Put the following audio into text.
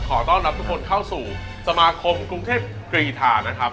ขอต้อนรับทุกคนเข้าสู่สมาคมกรุงเทพกรีธานะครับ